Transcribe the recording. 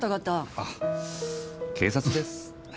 あ警察です。